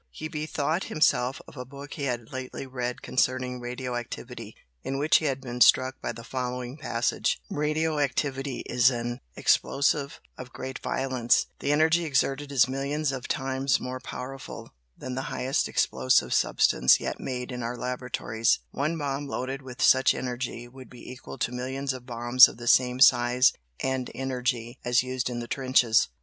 He bethought himself of a book he had lately read concerning radio activity, in which he had been struck by the following passage "Radio activity is an explosion of great violence; the energy exerted is millions of times more powerful than the highest explosive substance yet made in our laboratories; one bomb loaded with such energy would be equal to millions of bombs of the same size and energy as used in the trenches.